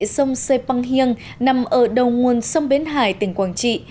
sông sê păng hiêng nằm ở đầu nguồn sông bến hải tỉnh quảng trị